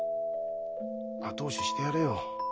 後押ししてやれよ。